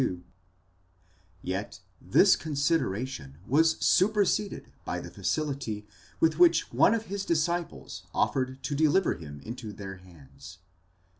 2): yet this con sideration was superseded by the facility with which one of his disciples offered to deliver him into their hands.